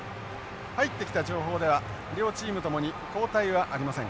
入ってきた情報では両チームともに交代はありません。